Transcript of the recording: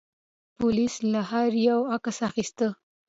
پولیس له هر یوه عکس اخیسته.